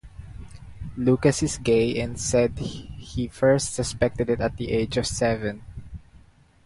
Lucas is gay and said he first suspected it at the age of seven.